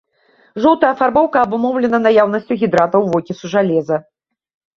Жоўтая афарбоўка абумоўлена наяўнасцю гідратаў вокісу жалеза.